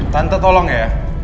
tanda tolong ya